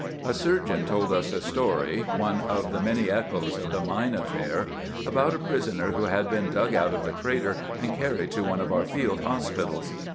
A surgeon told us a story, one of the many echoes of the mine affair, about a prisoner who had been dug out of the crater and carried to one of our field hospitals.